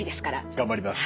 頑張ります。